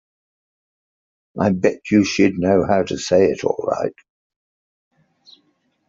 I bet you she'd know how to say it all right.